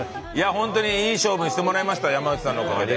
本当にいい勝負してもらいました山内さんのおかげで。